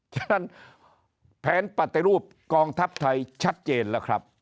ฉะนั้นแผนปฏิรูปกองทัพไทยชัดเจนแล้วครับ